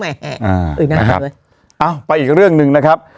เอาไปอีกเรื่องนึงนะครับ